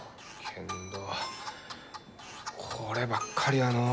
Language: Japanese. けんどこればっかりはのう。